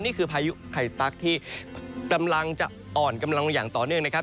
พายุไข่ตั๊กที่กำลังจะอ่อนกำลังอย่างต่อเนื่องนะครับ